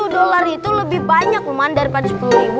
satu dolar itu lebih banyak lukman daripada sepuluh ribu